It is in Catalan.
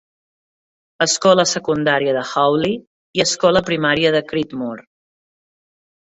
Escola secundària de Hawley, i escola primària de Creedmoor.